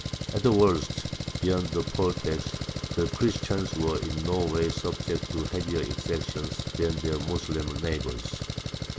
At the worst, beyond the poll tax, the Christians were in no way subject to heavier exactions than their Moslem neighbours.